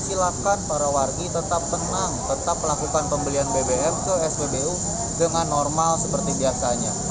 silakan para wargi tetap tenang tetap melakukan pembelian bbm ke spbu dengan normal seperti biasanya